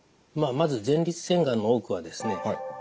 まず前立腺がんの多くはですね